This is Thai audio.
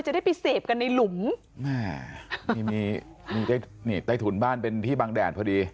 จะได้ไปเสพกันในหลุมแม่นี่มีมีใต้นี่ใต้ถุนบ้านเป็นที่บางแดดพอดี